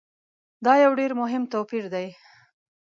دا یو ډېر مهم توپیر دی.